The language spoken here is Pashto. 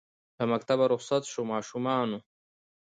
له مکتبه رخصت سویو ماشومانو